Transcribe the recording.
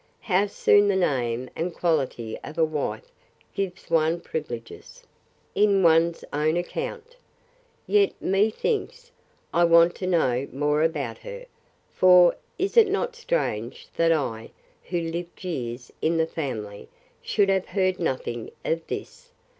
—How soon the name and quality of a wife gives one privileges, in one's own account!—Yet, methinks, I want to know more about her; for, is it not strange, that I, who lived years in the family, should have heard nothing of this?